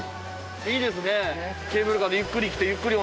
いいですね。